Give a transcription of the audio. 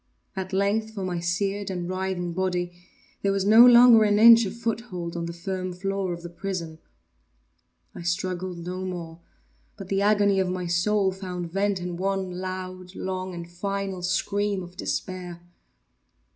At length for my seared and writhing body there was no longer an inch of foothold on the firm floor of the prison. I struggled no more, but the agony of my soul found vent in one loud, long, and final scream of despair.